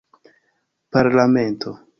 parlamento